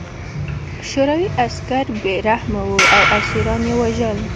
شوروي عسکر بې رحمه وو او اسیران یې وژل